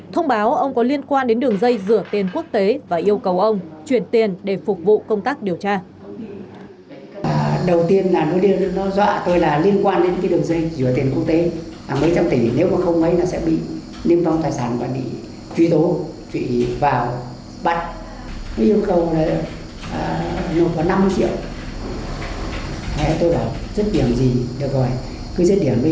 thông báo ông có liên quan đến đường dây rửa tiền quốc tế và yêu cầu ông chuyển tiền để phục vụ công tác điều tra